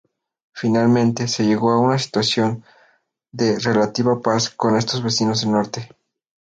Finalmente, se llegó a una situación de relativa paz con estos vecinos del norte.